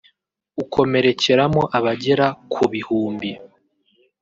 ukomerekeramo abagera ku bihumbi